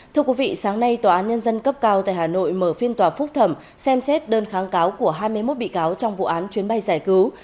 thưa quý vị sáng nay tòa án nhân dân cấp cao tại hà nội mở phiên tòa phúc thẩm xem xét đơn kháng cáo của hai mươi một bị cáo trong vụ án chuyến bay giải cứu